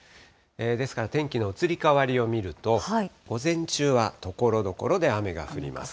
ですから、天気の移り変わりを見ると、午前中はところどころで雨が降ります。